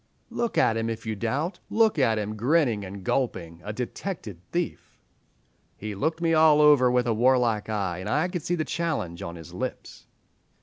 "Look at him, if you doubt; look at him, grinning and gulping, a detected thief. "He looked me all over with a warlike eye, and I could see the challenge on his lips."